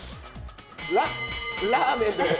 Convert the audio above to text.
ラーメンです。